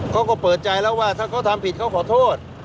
เขาก็เปิดใจแล้วว่าถ้าเขาทำผิดเขาขอโทษ